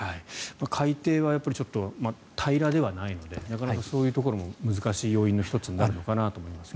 海底はやっぱりちょっと平らではないのでなかなかそういうところも難しい要因の１つになるのかなと思いますが。